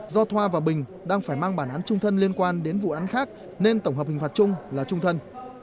do thoa và bình đang phải mang bản án trung thân liên quan đến vụ án khác nên tổng hợp hình phạt chung là trung thân